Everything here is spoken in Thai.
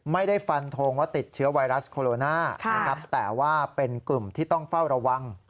ไม่ได้ฟันทงว่าติดเชื้อไวรัสโคโรนานะครับแต่ว่าเป็นกลุ่มที่ต้องเฝ้าระวัง